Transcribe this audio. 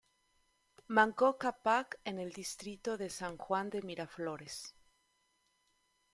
Manco Cápac en el distrito de San Juan de Miraflores.